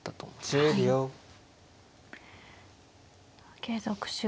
継続手は。